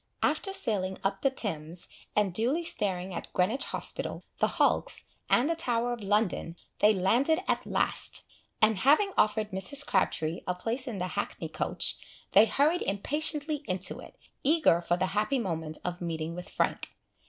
After sailing up the Thames, and duly staring at Greenwich hospital, the hulks, and the Tower of London, they landed at last; and having offered Mrs. Crabtree a place in the hackney coach, they hurried impatiently into it, eager for the happy moment of meeting with Frank.